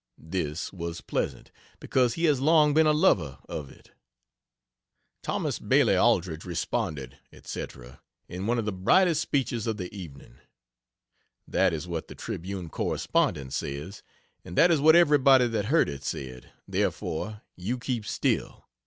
This was pleasant, because he has long been a lover of it. "Thos. Bailey Aldrich responded" etc., "in one of the brightest speeches of the evening." That is what the Tribune correspondent says. And that is what everybody that heard it said. Therefore, you keep still.